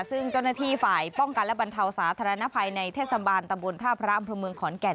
ซึ่งเจ้าหน้าที่ฝ่ายป้องกันและบรรเทาสาธารณภัยในเทศบาลตำบลท่าพระอำเภอเมืองขอนแก่น